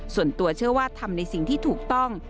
ส่วนตัวเชื่อว่าทำในสิ่งที่ถูกต้อง